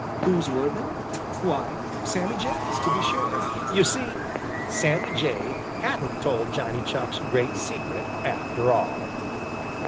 Whose were they? Why, Sammy Jay's, to be sure. You see, Sammy Jay hadn't told Johnny Chuck's great secret, after all.